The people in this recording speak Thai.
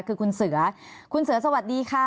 คือคุณเสือคุณเสือสวัสดีค่ะ